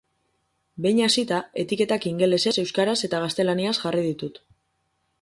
Behin hasita, etiketak ingelesez, euskaraz eta gaztelaniaz jarri ditut.